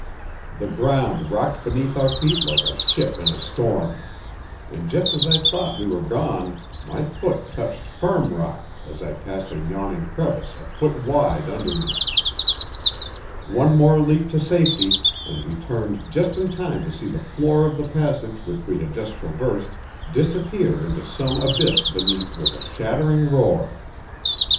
The ground rocked beneath our feet like a ship in a storm; and, just as I thought we were gone, my foot touched firm rock as I passed a yawning crevice a foot wide under me. One more leap to safety, and we turned just in time to see the floor of the passage which we had traversed disappear into some abyss beneath with a shattering roar.